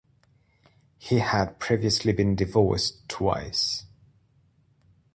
He had previously been divorced twice.